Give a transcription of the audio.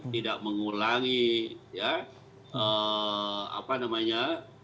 tidak mengulangi ya apa namanya